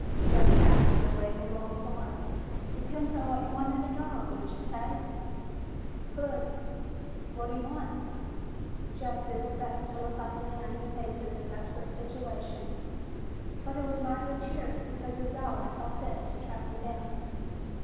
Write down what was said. Jeff cast for a way to lull Barr. "Depends on what you want in a dog, wouldn't you say?" "Could. What do you want?" Jeff did his best to look like a man who faces a desperate situation, but who was mightily cheered because his dog saw fit to track him down.